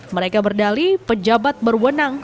mereka berdali pejabat berwenang